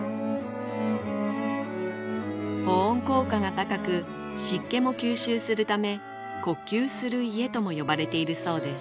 保温効果が高く湿気も吸収するため呼吸する家とも呼ばれているそうです